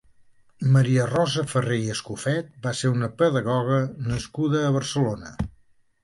Maria Rosa Farré i Escofet va ser una pedagoga nascuda a Barcelona.